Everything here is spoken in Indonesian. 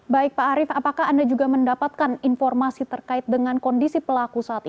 baik pak arief apakah anda juga mendapatkan informasi terkait dengan kondisi pelaku saat ini